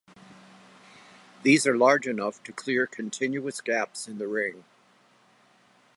These are large enough to clear continuous gaps in the ring.